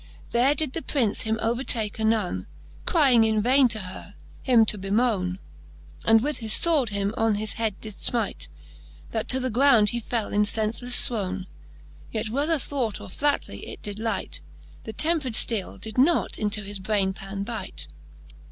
There did the Prince him overtake anone, Crying in vaine to her, him to bemone ; And with his fword him on the head did fmyte. That to the ground he fell in fenfelefle fwone : Yet whether thwart or flatly it did lyte. The tempred fteele did not into his braynepan byte.